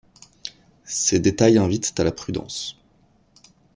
Ces détails invitent à la prudence.